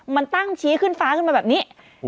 มันตั้งชี้ขึ้นฟ้าขึ้นมาแบบนี้